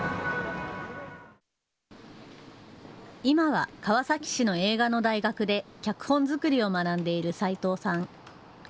今は川崎市の映画の大学で脚本作りを学んでいる齊藤さん。